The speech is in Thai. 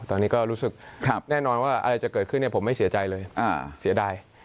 ตอนนี้ก็รู้สึกแน่นอนว่าอะไรจะเกิดขึ้นผมไม่เสียใจเลยเสียดาย